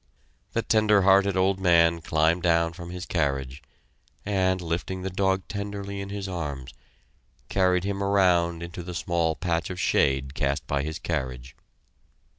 The tender hearted old man climbed down from his carriage, and, lifting the dog tenderly in his arms, carried him around into the small patch of shade cast by his carriage.